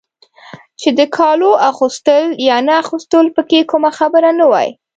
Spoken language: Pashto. چې د کالو اغوستل یا نه اغوستل پکې کومه خبره نه وای.